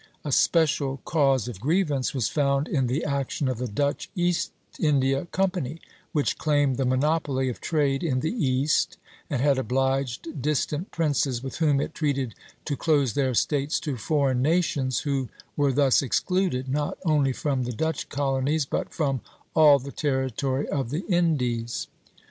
A special cause of grievance was found in the action of the Dutch East India Company, "which claimed the monopoly of trade in the East, and had obliged distant princes with whom it treated to close their States to foreign nations, who were thus excluded, not only from the Dutch colonies, but from all the territory of the Indies."